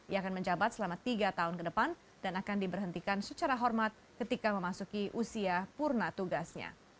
ia akan menjabat selama tiga tahun ke depan dan akan diberhentikan secara hormat ketika memasuki usia purna tugasnya